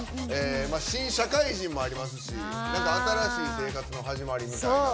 新社会人もありますし新しい生活の始まりみたいな。